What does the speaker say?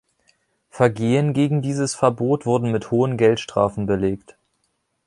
Vergehen gegen dieses Verbot wurden mit hohen Geldstrafen belegt.